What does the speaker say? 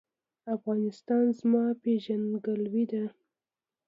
افغانستان زما پیژندګلوي ده؟